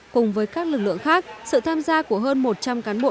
cùng với các lực lượng khác sự tham gia của hơn một trăm linh cán bộ